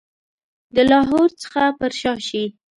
د لاهور څخه پر شا شي.